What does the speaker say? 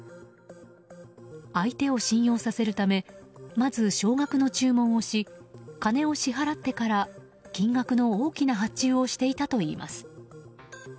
相手を信用させるためまず少額の注文をし金を支払ってから金額の大きな発注をしていたといいます。